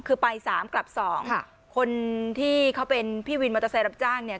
คือไปสามกลับสองค่ะคนที่เขาเป็นพี่วินมอเตอร์ไซค์รับจ้างเนี่ย